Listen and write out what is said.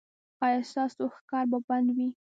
ایا ستاسو ښکار به بند وي؟